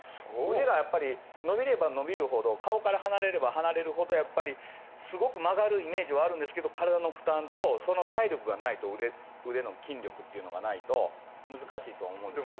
腕がやっぱり伸びれば伸びるほど顔から離れれば離れるほどやっぱりすごく曲がるイメージはあるんですけど体の負担とその体力がないと腕の筋力っていうのがないと難しいとは思うんですけど。